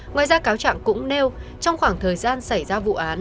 ngoài ra cáo trạng cũng nêu trong khoảng thời gian xảy ra vụ án